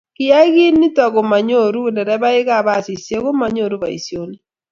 kiyai kiit nito komanyoru nderebaikab basisiek ko manyoru boisionik.